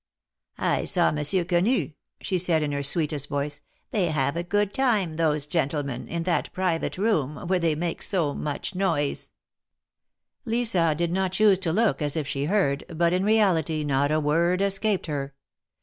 "I saw Monsieur Quenu," she said, in her sweetest voice. "They have a good time, those gentlemen, in that private room, where they make so much noise." THE MARKETS OF PARIS. 175 Lisa did not choose to look as if she heard, but, in reality, not a word escaped her.